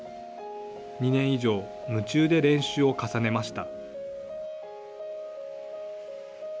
２年以上、夢中で練習を重ねました。